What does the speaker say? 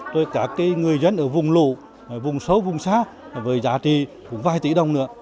rồi cả người dân ở vùng lụ vùng sâu vùng xa với giá trị cũng vài tỷ đồng nữa